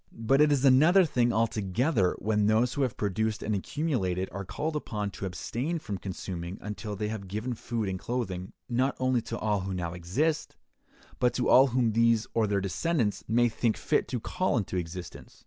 But it is another thing altogether when those who have produced and accumulated are called upon to abstain from consuming until they have given food and clothing, not only to all who now exist, but to all whom these or their descendants may think fit to call into existence.